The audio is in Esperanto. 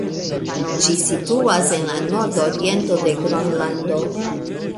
Ĝi situas en la nord-oriento de Gronlando.